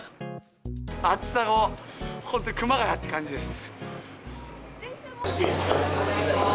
暑さが本当に熊谷って感じです。